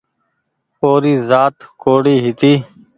او ري زآت ڪوڙي هيتي